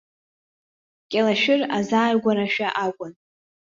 Кьалашәыр азааигәарашәа акәын.